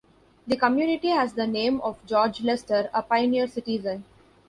The community has the name of George Lester, a pioneer citizen.